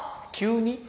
急に？